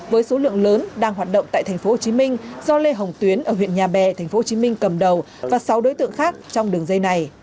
với số lượng lớn đang hoạt động tại tp hcm do lê hồng tuyến ở huyện nhà bè tp hcm cầm đầu và sáu đối tượng khác trong đường dây này